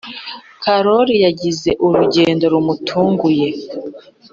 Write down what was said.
Karoli yagize urugendo rumutunguye.